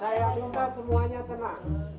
saya minta semuanya tenang